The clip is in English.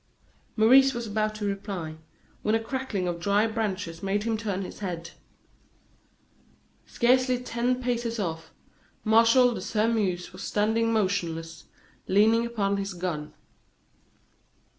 Maurice was about to reply, when a crackling of dry branches made him turn his head. Scarcely ten paces off, Martial de Sairmeuse was standing motionless, leaning upon his gun.